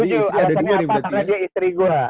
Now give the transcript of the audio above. tujuh alasannya apa karena dia istri gua